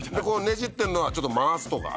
ねじってんのはちょっと回すとか。